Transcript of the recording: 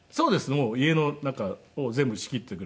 もう家の中を全部仕切ってくれているので。